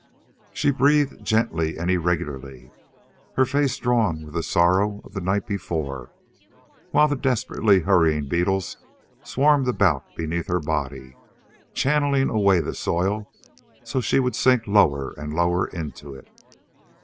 She breathed gently and irregularly, her face drawn with the sorrow of the night before, while the desperately hurrying beetles swarmed about beneath her body, channelling away the soil so she would sink lower and lower into it.